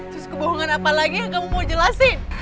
terus kebohongan apa lagi yang kamu mau jelasin